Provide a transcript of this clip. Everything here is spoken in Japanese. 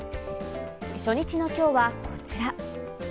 初日の今日はこちら。